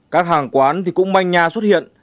các hàng quán thì cũng manh nhà xuất hiện